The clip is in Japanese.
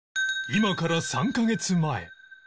今から３カ月前